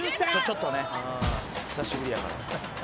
「ちょっとね久しぶりやから」